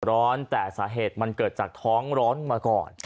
แต่สาเหตุมันเกิดจากท้องร้อนมาก่อน